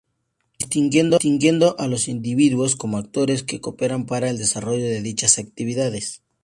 Distinguiendo a los individuos como actores que cooperan para el desarrollo de dichas actividades.